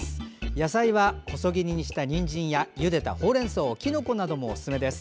野菜は細切りにしたにんじんやゆでたほうれんそうきのこなどもおすすめです。